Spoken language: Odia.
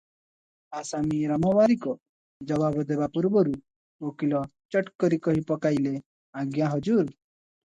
ଆସାମୀ ରାମବାରିକ ଜବାବ ଦେବାପୂର୍ବରୁ ଉକୀଲ ଚଟ୍ କରି କହି ପକାଇଲେ, "ଆଜ୍ଞା ହଜୁର!